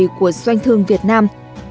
lương văn can là người doanh thương việt nam